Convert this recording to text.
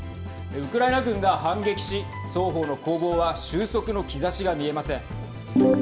ウクライナ軍が反撃し双方の攻防は収束の兆しが見えません。